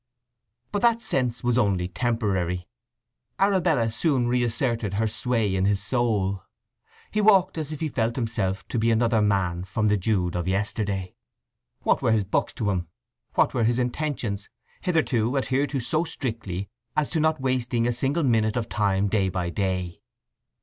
But that sense was only temporary: Arabella soon re asserted her sway in his soul. He walked as if he felt himself to be another man from the Jude of yesterday. What were his books to him? what were his intentions, hitherto adhered to so strictly, as to not wasting a single minute of time day by day?